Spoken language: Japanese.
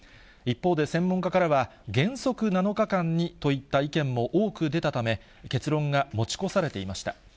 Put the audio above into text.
一方で、専門家からは、原則７日間にといった意見も多く出たため、結論が持ち越されていました。